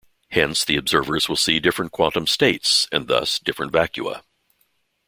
Hence, the observers will see different quantum states and thus different vacua.